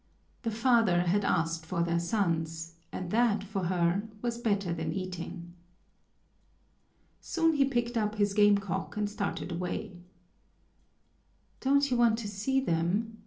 The father had asked for their sons and that for her was better than eating. Soon he picked up his game cock and started away. "Don't you want to see them?"